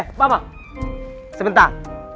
eh papa sebentar